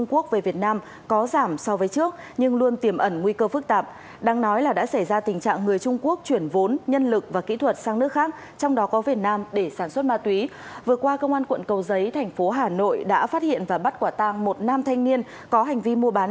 công việc tướng trường rất bình thường nhưng tìm mẫn rất nhiều nguy cơ tai nạn